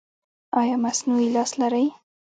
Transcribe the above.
ایا مصنوعي لاس لرئ؟